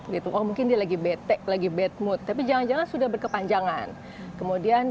gitu mungkin dia lagi bete lagi bad mood tapi jangan jangan sudah berkepanjangan kemudian